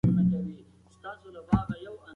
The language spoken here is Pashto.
د غلجیو او درانیو ترمنځ تړون وسو.